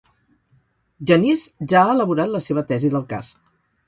Genís ja ha elaborat la seva tesi del cas.